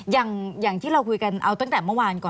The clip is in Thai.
อย่างที่เราคุยกันมาเมื่อวานก่อน